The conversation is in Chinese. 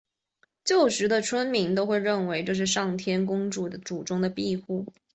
旧时的村民都认为这是上天祖师公与祖宗的庇护。